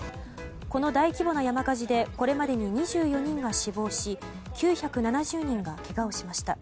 この大規模な山火事でこれまでに２４人が死亡し９７０人がけがをしました。